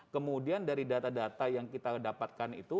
kemudian dari data data yang kita dapatkan itu